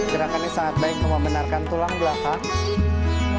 gerakannya sangat baik membenarkan tulang belakang